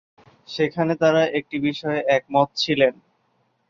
সেখানে তারা একটি বিষয়ে একমত ছিলেন।